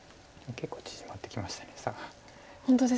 結構縮まってきました。